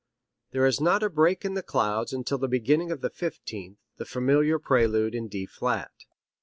There is not a break in the clouds until the beginning of the fifteenth, the familiar prelude in D flat.